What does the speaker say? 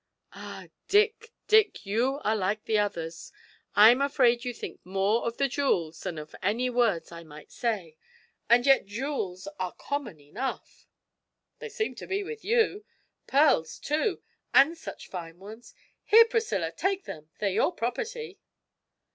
'Ah, Dick, Dick, you are like the others! I'm afraid you think more of the jewels than of any words I may say and yet jewels are common enough!' 'They seem to be with you. Pearls, too, and such fine ones! Here, Priscilla, take them; they're your property.'